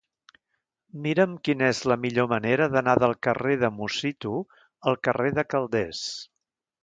Mira'm quina és la millor manera d'anar del carrer de Musitu al carrer de Calders.